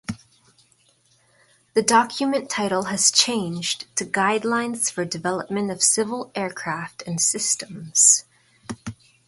The document title has changed to "Guidelines For Development Of Civil Aircraft and Systems".